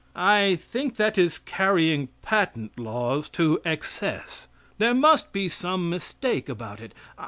I think that is carrying patent laws to excess. There must be some mistake about it.